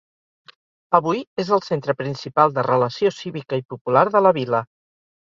Avui és el centre principal de relació cívica i popular de la vila.